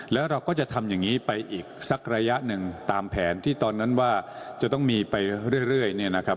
แล้วเราก็จะทำอย่างนี้ไปอีกสักระยะหนึ่งตามแผนที่ตอนนั้นว่าจะต้องมีไปเรื่อยเนี่ยนะครับ